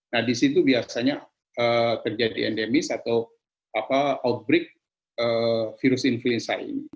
nah di situ biasanya terjadi endemis atau outbreak virus influenza ini